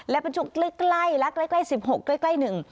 และเป็นช่วงใกล้และใกล้๑๖ก็ใกล้๑